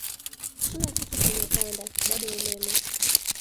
kila kitu kimepanda bado umeme